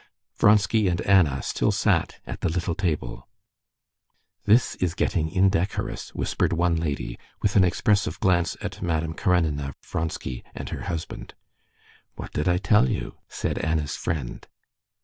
Vronsky and Anna still sat at the little table. "This is getting indecorous," whispered one lady, with an expressive glance at Madame Karenina, Vronsky, and her husband. "What did I tell you?" said Anna's friend.